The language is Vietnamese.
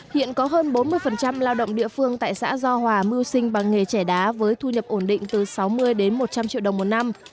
hiện có hơn bốn mươi lao động địa phương tại xã do hòa mưu sinh bằng nghề trẻ đá với thu nhập ổn định từ sáu mươi đến một trăm linh triệu đồng một năm